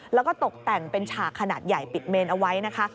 แล้วก็ตกแต่งเป็นฉากขนาดใหญ่ปิดเมนเอาไว้นะคะ